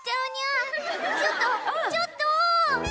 ちょっとちょっと！